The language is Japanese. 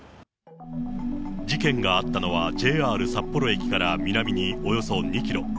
事件があったのは、ＪＲ札幌駅から南におよそ２キロ。